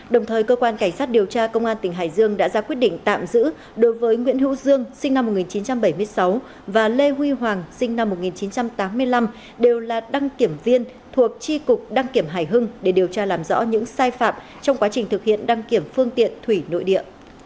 đồng thời cơ quan cảnh sát điều tra công an tỉnh hải dương đã ra quyết định tạm giữ đối với nguyễn hữu dương sinh năm một nghìn chín trăm bảy mươi sáu và lê huy hoàng sinh năm một nghìn chín trăm tám mươi năm đều là đăng kiểm viên thuộc tri cục đăng kiểm hải hưng để điều tra làm rõ những sai phạm trong quá trình thực hiện đăng kiểm phương tiện thủy nội địa